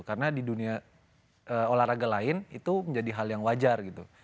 karena di dunia olahraga lain itu menjadi hal yang wajar gitu